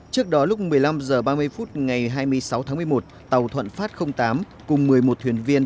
trước đó lúc một mươi năm h ba mươi phút ngày hai mươi sáu tháng một mươi một tàu thuận phát tám cùng một mươi một thuyền viên